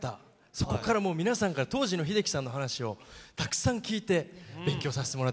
そこからもう皆さんから当時の秀樹さんの話をたくさん聞いて勉強させてもらってますね。